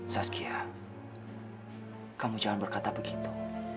saskia kamu jangan berkata begitu